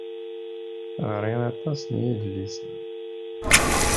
Ɣer-i aṭas n yedlisen.